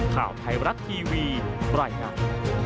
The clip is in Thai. ข่าวไทยรักทีวีไบรนัก